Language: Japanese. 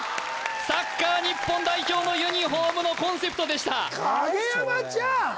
サッカー日本代表のユニフォームのコンセプトでした影山ちゃん